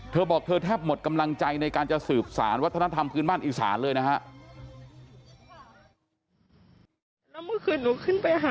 เธอบอกเธอแทบหมดกำลังใจในการจะสืบสารวัฒนธรรมพื้นบ้านอีสานเลยนะฮะ